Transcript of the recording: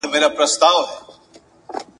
ډنبار په شپاړس کلني کي !.